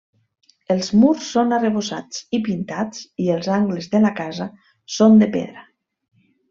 Els murs són arrebossats i pintats i els angles de la casa són de pedra.